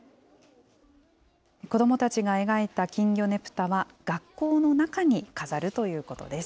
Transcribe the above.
子どもたちが描いた金魚ねぷたは、学校の中に飾るということです。